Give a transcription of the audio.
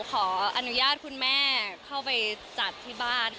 ขออนุญาตคุณแม่เข้าไปจัดที่บ้านค่ะ